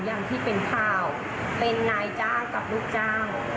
อย่างที่เป็นข่าวเป็นนายจ้างกับลูกจ้าง